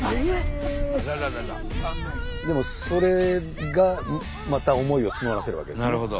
でもそれがまた思いを募らせるわけですね。